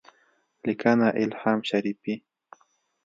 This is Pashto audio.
لیکنه: الهام شریفی